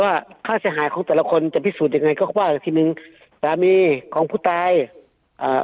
ว่าค่าเสียหายของแต่ละคนจะพิสูจน์ยังไงก็ว่าทีหนึ่งสามีของผู้ตายอ่า